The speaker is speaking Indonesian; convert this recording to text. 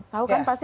tau kan pasti